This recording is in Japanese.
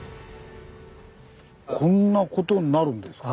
こんなことになるんですか。